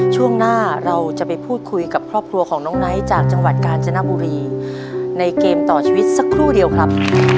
ช่วงหน้าเราจะไปพูดคุยกับครอบครัวของน้องไนท์จากจังหวัดกาญจนบุรีในเกมต่อชีวิตสักครู่เดียวครับ